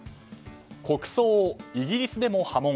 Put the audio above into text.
国葬、イギリスでも波紋。